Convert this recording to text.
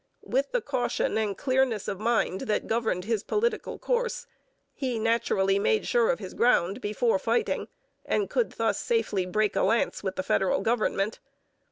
With the caution and clearness of mind that governed his political course, he naturally made sure of his ground before fighting, and could thus safely break a lance with the federal government.